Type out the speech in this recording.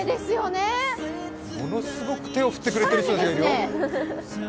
すごく手を振ってくれてる人たちがいるよ。